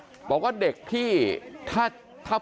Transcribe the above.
เพื่อนบ้านเจ้าหน้าที่อำรวจกู้ภัย